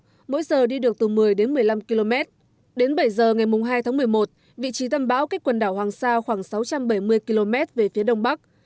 dự báo trong hai mươi bốn giờ tới bão di chuyển theo hướng tây bắc mỗi giờ đi được từ một mươi đến một mươi năm km đến bảy giờ ngày hai tháng một mươi một vị trí tâm bão cách quần đảo hoàng sa khoảng sáu trăm bảy mươi km về phía đông bắc